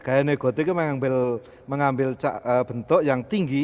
gaya neogotik mengambil bentuk yang tinggi